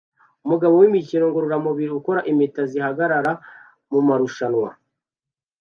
Umugabo wimikino ngororamubiri ukora impeta zihagarara mumarushanwa